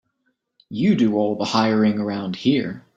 You do all the hiring around here.